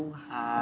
aku beli kamu